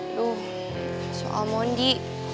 aduh soal mondi